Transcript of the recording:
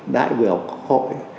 đại biểu hội